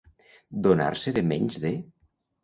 Donar-se de menys de.